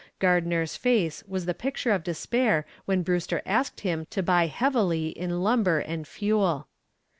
Gardner's face was the picture of despair when Brewster asked him to buy heavily in Lumber and Fuel.